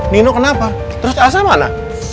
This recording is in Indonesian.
nino kenapa terus alsa mana